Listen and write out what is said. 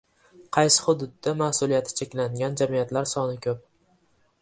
Qaysi hududda mas’uliyati cheklangan jamiyatlar soni ko‘p?